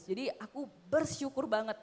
jadi aku bersyukur banget